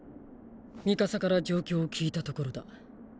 ミカサから状況を聞いたところだ。